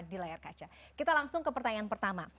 di layar kaca kita langsung ke pertanyaan pertama